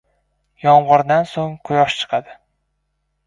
• Yomg‘irdan so‘ng quyosh chiqadi.